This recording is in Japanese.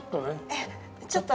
ええちょっと。